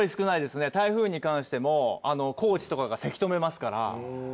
台風に関しても高知とかがせき止めますから。